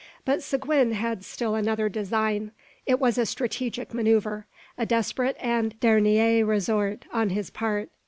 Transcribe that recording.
But Seguin had still another design. It was a strategic manoeuvre, a desperate and dernier ressort on his part.